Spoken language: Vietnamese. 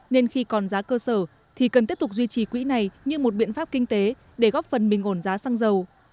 nên khi còn giá cơ sở thì cần tiếp tục duy trì quỹ này như một biện pháp kinh tế để góp phần bình ổn giá xăng dầu